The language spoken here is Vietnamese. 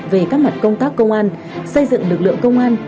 về các mặt công tác công an xây dựng lực lượng công an